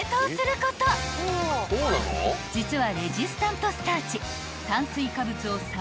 ［実は］